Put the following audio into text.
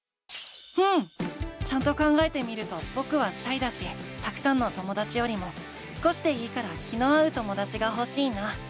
うん！ちゃんと考えてみるとぼくはシャイだしたくさんのともだちよりも少しでいいから気の合うともだちがほしいな。